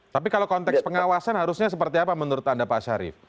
tapi kalau konteks pengawasan harusnya seperti apa menurut anda pak syarif